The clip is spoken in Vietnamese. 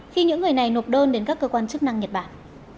khi những người này nộp đơn đến các cơ quan chức năng nhật bản